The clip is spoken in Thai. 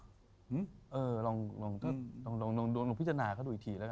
หื้อเออลองลองดูภิจาราคาดูอีกทีแล้วกัน